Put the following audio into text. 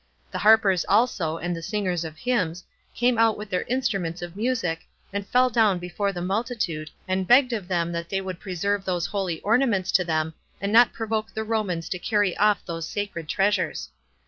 The harpers also, and the singers of hymns, came out with their instruments of music, and fell down before the multitude, and begged of them that they would preserve those holy ornaments to them, and not provoke the Romans to carry off those sacred treasures.